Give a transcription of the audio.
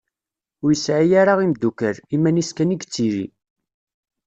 Ur yesɛi ara imdukal, iman-is kan i yettili.